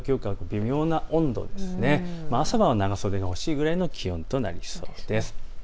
朝晩は長袖が欲しいぐらいの気温となりそうです。